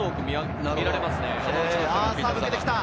抜けてきた！